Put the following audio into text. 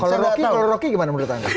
kalau rocky kalau rocky gimana menurut anda